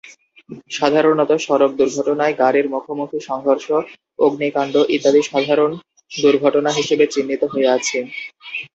সাধারণতঃ সড়ক দুর্ঘটনায় গাড়ীর মুখোমুখি সংঘর্ষ, অগ্নিকাণ্ড ইত্যাদি সাধারণ দুর্ঘটনা হিসেবে চিহ্নিত হয়ে আছে।